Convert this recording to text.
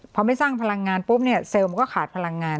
พอไม่สร้างพลังงานปุ๊บเนี่ยเซลล์มันก็ขาดพลังงาน